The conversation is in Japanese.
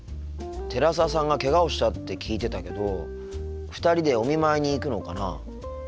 寺澤さんがけがをしたって聞いてたけど２人でお見舞いに行くのかなあ。